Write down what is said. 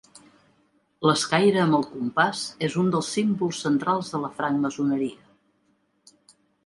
L'escaire amb el compàs és un dels símbols centrals de la francmaçoneria.